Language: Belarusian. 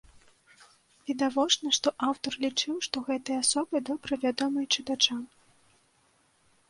Відавочна, што аўтар лічыў, што гэтыя асобы добра вядомыя чытачам.